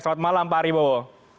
selamat malam pak aribowo